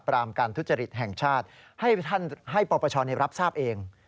ปรามการทุจริตแห่งชาติให้ปปชรับทราบเอง